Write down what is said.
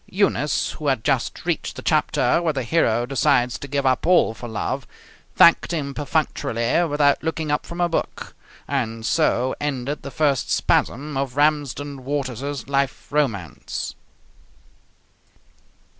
Eunice, who had just reached the chapter where the hero decides to give up all for love, thanked him perfunctorily without looking up from her book; and so ended the first spasm of Ramsden Waters's life romance.